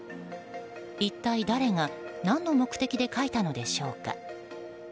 一体誰が何の目的で書いたのでしょうか。